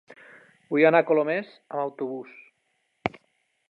Vull anar a Colomers amb autobús.